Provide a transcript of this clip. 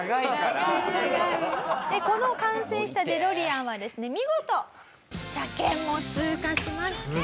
この完成したデロリアンはですね見事車検も通過しまして。